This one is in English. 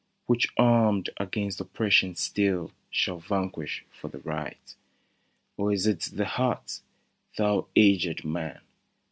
Which armed against oppression still Shall vanquish for the right ?" Or is it the heart, thou aged man